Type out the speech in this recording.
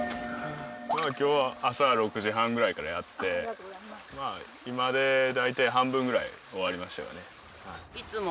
今日は朝６時半ぐらいからやってまあ今で大体半分ぐらい終わりましたかね。